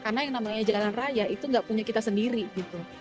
karena yang namanya jalan raya itu nggak punya kita sendiri gitu